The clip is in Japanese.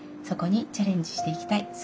そこにチャレンジして行きたい。